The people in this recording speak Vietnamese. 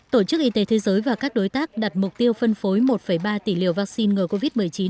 tổ chức y tế thế giới và các đối tác đặt mục tiêu phân phối một ba tỷ liều vaccine ngừa covid một mươi chín